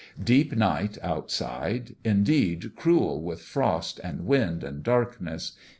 Deep night outside, indeed, cruel with frost and wind and darkness